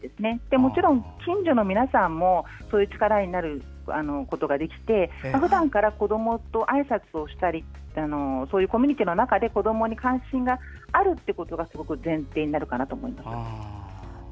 もちろん、近所の皆さんもそういう力になることができてふだんから子どもとあいさつをしたりコミュニティーの中で子どもに関心があることがすごく前提になるかと思います。